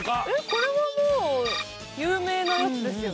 これはもう有名なやつですよね。